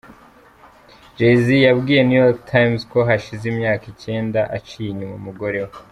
Jay z yabwiye New York Times ko hashize imyaka icyenda aciye inyuma umugore we.